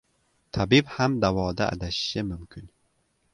• Tabib ham davoda adashishi mumkin.